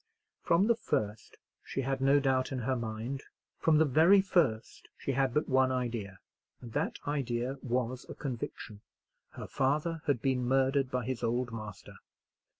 From the first she had no doubt in her mind—from the very first she had but one idea: and that idea was a conviction. Her father had been murdered by his old master.